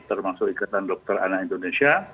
termasuk ikatan dokter anak indonesia